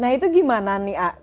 nah itu gimana nih